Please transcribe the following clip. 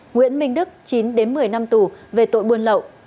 nguyễn minh đức chín đến một mươi năm tù về tội buôn lậu